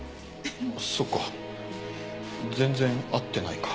そっか全然合ってないか。